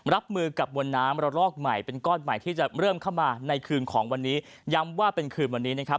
รับมือกับมวลน้ำระลอกใหม่เป็นก้อนใหม่ที่จะเริ่มเข้ามาในคืนของวันนี้ย้ำว่าเป็นคืนวันนี้นะครับ